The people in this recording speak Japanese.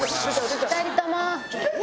２人とも。